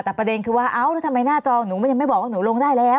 แต่ประเด็นคือว่าทำไมหน้าจอหนูไม่บอกว่าหนูลงได้แล้ว